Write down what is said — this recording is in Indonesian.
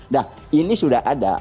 nah ini sudah ada